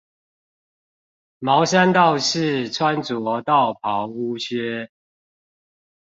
茅山道士穿著道袍烏靴